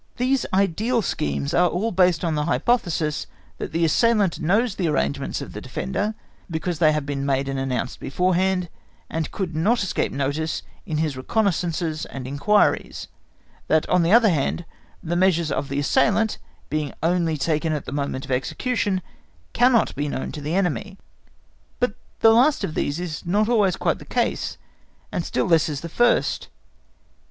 These ideal schemes are all based on the hypothesis that the assailant knows the arrangements of the defender because they have been made and announced beforehand, and could not escape notice in his reconnaissances, and inquiries; that on the other hand, the measures of the assailant, being only taken at the moment of execution, cannot be known to the enemy. But the last of these is not always quite the case, and still less is the first.